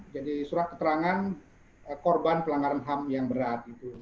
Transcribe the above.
jadi surat keterangan korban pelanggaran ham yang berat